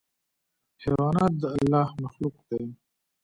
حیوانات د الله مخلوق دي.